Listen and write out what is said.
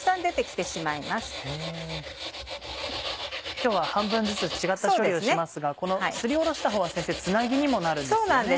今日は半分ずつ違った処理をしますがこのすりおろしたほうは先生つなぎにもなるんですよね。